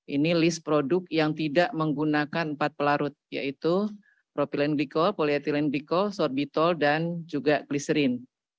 ini list produk yang tidak menggunakan empat pelarut yaitu propylenglicol polyethylenglicol sorbitol dan juga klyserin